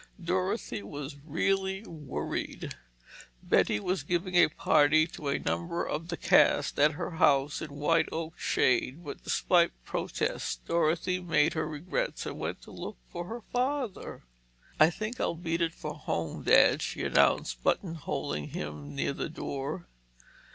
Dorothy was really worried. Betty was giving a party to a number of the cast at her house in White Oak Shade, but despite protests, Dorothy made her regrets and went to look for her father. "I think I'll beat it for home, Dad," she announced, buttonholing him near the door.